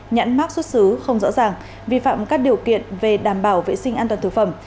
nhãn mắc xuất xứ không rõ ràng vi phạm các điều kiện về đảm bảo vệ sinh an toàn thực phẩm